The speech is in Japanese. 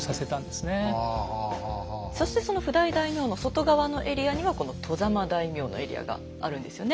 そしてその譜代大名の外側のエリアにはこの外様大名のエリアがあるんですよね。